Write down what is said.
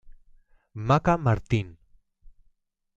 Maca Martín.